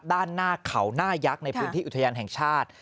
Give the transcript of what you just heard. ด้านหน้าเขาหน้ายักษ์ในพื้นที่อุทยานแห่งชาติ